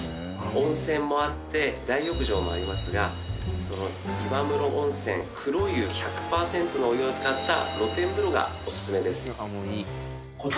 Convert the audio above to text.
温泉もあって大浴場もありますが岩室温泉黒湯１００パーセントのお湯を使った露天風呂がおすすめです。